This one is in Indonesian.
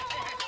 ini datang ya